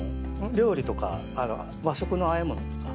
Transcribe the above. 料理とか和食のあえ物とか。